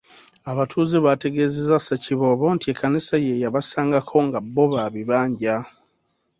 Abatuuze bategeezezza Ssekiboobo nti Ekkanisa ye yabasangako nga bbo ba bibanja.